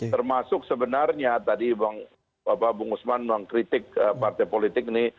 termasuk sebenarnya tadi bapak bung usman mengkritik partai politik ini